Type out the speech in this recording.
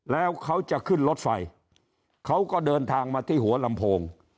แล้วเขาจะขึ้นรถไฟเขาก็เดินทางมาที่หัวลำโพง